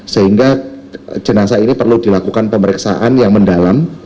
sehingga jenazah ini perlu dilakukan pemeriksaan yang mendalam